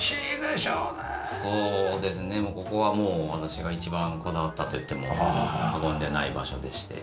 ここはもう私が一番こだわったと言っても過言ではない場所でして。